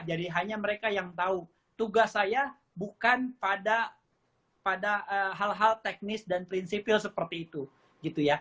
jadi hanya mereka yang tahu tugas saya bukan pada hal hal teknis dan prinsipil seperti itu